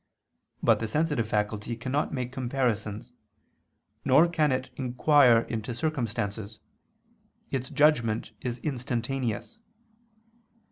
But the sensitive faculty cannot make comparisons, nor can it inquire into circumstances; its judgment is instantaneous.